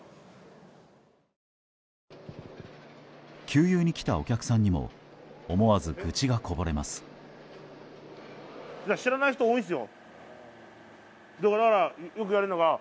給油に来たお客さんにも思わず愚痴がこぼれます。